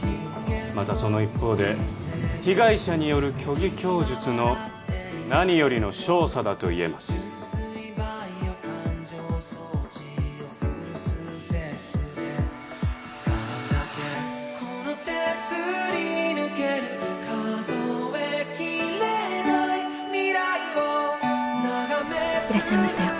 またその一方で被害者による虚偽供述の何よりの証左だといえますいらっしゃいましたよ